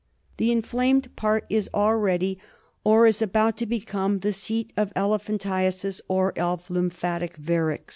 The inflamed part is already, or is about to become, the seat of elephantiasis or of lymphatic varix.